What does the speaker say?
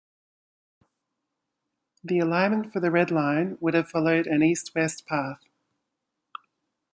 The alignment for the Red Line would have followed an east-west path.